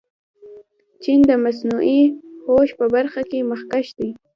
چین د مصنوعي هوش په برخه کې مخکښ دی.